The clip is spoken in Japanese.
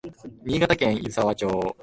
新潟県湯沢町